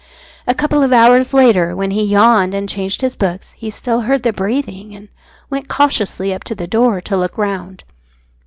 A couple of hours later, when he yawned and changed his books, he still heard the breathing, and went cautiously up to the door to look round.